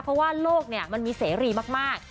เพราะว่าโลกมันมีเสรีมาก